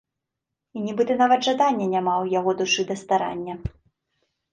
І нібыта нават жаданняў няма ў яго душы да старання.